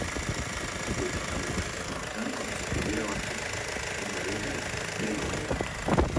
Zazpi urte banatuta egon ostean, kontzertu-bira bati ekingo diote urte amaieran.